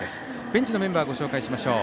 ベンチのメンバーをご紹介します。